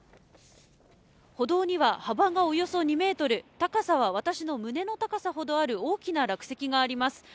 歩道には幅がおよそ２メートル、高さは私の胸の高さほどある大きな落石があります。